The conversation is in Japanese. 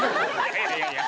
いやいやいやいや。